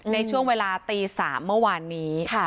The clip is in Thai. ในช่วงเวลาตี๓เมื่อวานนี้